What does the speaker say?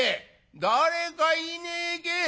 誰かいねえけえ？」。